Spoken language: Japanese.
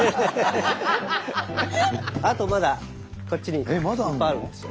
あとまだこっちにいっぱいあるんですよ。